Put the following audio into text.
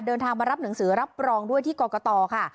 เดินทางมารับหนังสือรับรองด้วยที่กรกตค่ะ